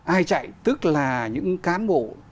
ai chạy tức là những cán bộ